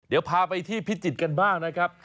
เดี๋ยวพาไปที่พิจิตรกันบ้างนะครับ